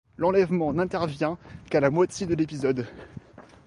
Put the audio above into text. L'enlèvement n'intervient qu'à la moitié de l'épisode.